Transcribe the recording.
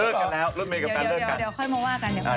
เลิกกันแล้วรถเมย์กับแฟนเลิกกัน